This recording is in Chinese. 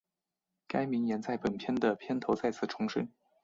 该名言在本片的片头再次重申。